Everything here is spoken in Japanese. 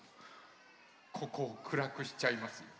ここをくらくしちゃいますよ。